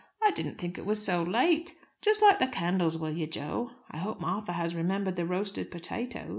I didn't think it was so late. Just light the candles, will you, Jo? I hope Martha has remembered the roasted potatoes." CHAPTER III.